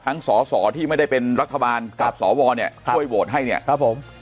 สอสอที่ไม่ได้เป็นรัฐบาลกับสวเนี่ยช่วยโหวตให้เนี่ยครับผม